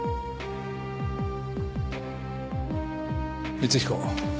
光彦。